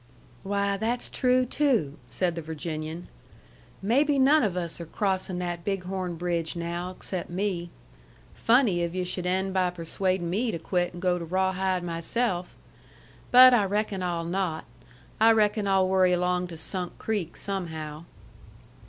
"Why, that's true, too!" said the Virginian. "Maybe none of us are crossin' that Big Horn bridge now, except me. Funny if yu' should end by persuadin' me to quit and go to Rawhide myself! But I reckon I'll not. I reckon I'll worry along to Sunk Creek, somehow."